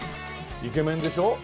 イケメンでしょ。